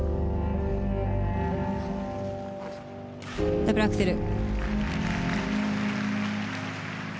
ダブルアクセル。